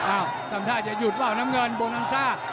อ้าวตำท่าจะหยุดป่ะน้ำเงินโบราณซ่า